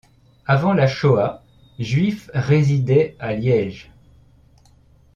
Avant la Shoah, Juifs résidaient à Liège.